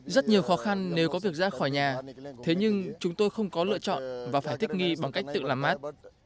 rất nhiều khó khăn nếu có việc ra khỏi nhà thế nhưng chúng tôi không có lựa chọn và phải thích nghi bằng cách tự làm mát